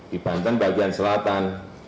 di banten bagian selatan